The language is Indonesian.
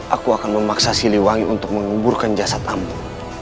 aku akan memaksa siliwangi untuk menguburkan jasad ibu